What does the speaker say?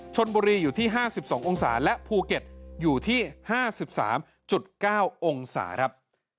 ชนบุรีอยู่ที่๕๒องศาและภูเก็ตอยู่ที่๕๓๙องศาครับ